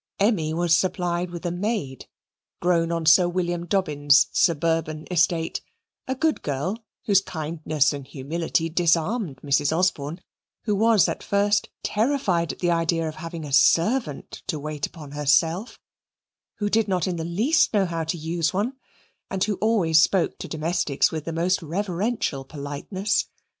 Emmy was supplied with a maid, grown on Sir William Dobbin's suburban estate; a good girl, whose kindness and humility disarmed Mrs. Osborne, who was at first terrified at the idea of having a servant to wait upon herself, who did not in the least know how to use one, and who always spoke to domestics with the most reverential politeness.